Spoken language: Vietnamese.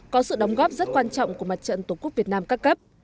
có sự đóng góp rất quan trọng của mặt trận tổ quốc việt nam các cấp